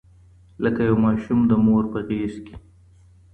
لکه یو ماشوم د مور په غېږ کې.